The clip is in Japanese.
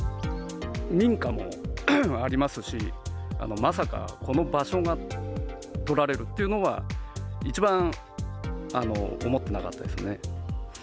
民家もありますし、まさかこの場所がとられるっていうのは、一番思ってなかったです